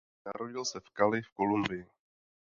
Narodil se v Cali v Kolumbii.